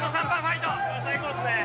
最高ですね。